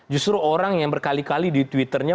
justru orang yang berkali kali di twitternya